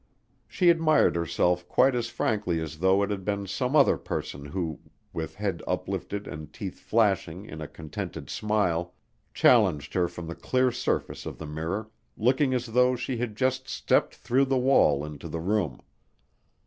She admired herself quite as frankly as though it had been some other person who, with head uptilted and teeth flashing in a contented smile, challenged her from the clear surface of the mirror, looking as though she had just stepped through the wall into the room.